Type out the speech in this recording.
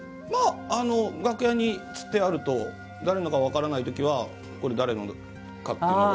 楽屋に、つってあると誰のか分からない時はこれ、誰のかっていうのが。